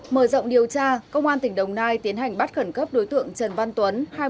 mở rộng điều tra công an tỉnh đồng nai tiến hành bắt khẩn cấp đối tượng trần văn tuấn